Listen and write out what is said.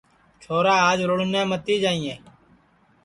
چھورا آج رُڑٹؔے متی جائیئے